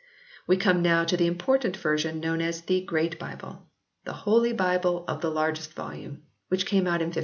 We come now to the important version known as The Great Bible " the hole byble of the largyest volume/ which came out in 1539.